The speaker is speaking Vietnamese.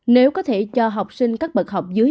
nếu có thể cho học sinh các bậc học dưới